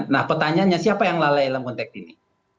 nah pertanyaannya siapa yang lalai dalam konteks ini